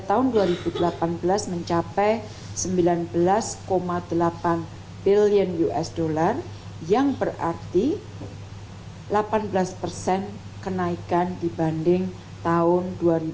yang berarti delapan belas persen kenaikan dibanding tahun dua ribu tujuh belas